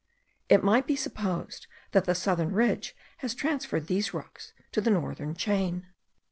It might be supposed that the southern ridge has transferred these rocks to the northern chain.